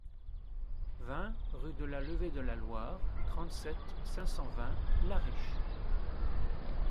vingt rue de la Levée de la Loire, trente-sept, cinq cent vingt, La Riche